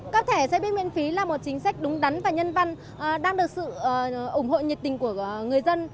cấp thẻ xe buýt miễn phí là một chính sách đúng đắn và nhân văn đang được sự ủng hộ nhiệt tình của người dân